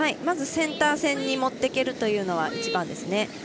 まず、センター線に持っていけるというのは一番ですね。